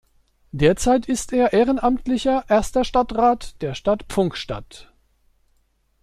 Derzeit ist er ehrenamtlicher Erster Stadtrat der Stadt Pfungstadt.